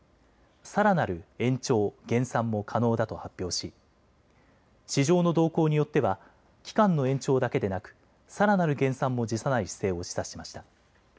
さらなる延長、減産も可能だと発表し市場の動向によっては期間の延長だけでなくさらなる減産も辞さない姿勢を示唆しました。